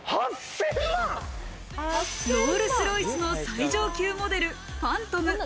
ロールス・ロイスの最上級モデル、ファントム。